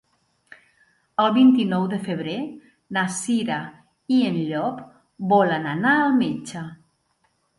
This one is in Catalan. El vint-i-nou de febrer na Cira i en Llop volen anar al metge.